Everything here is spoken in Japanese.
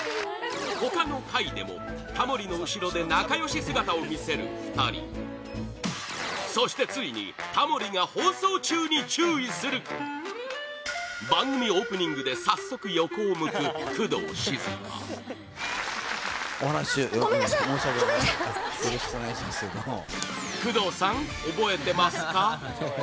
他の回でも、タモリの後ろで仲良し姿を見せる２人そしてついにタモリが放送中に注意する番組オープニングで早速、横を向く工藤静香工藤さん、覚えてますか？